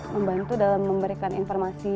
membantu dalam memberikan informasi